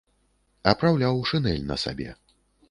Апраўляў шынель на сабе.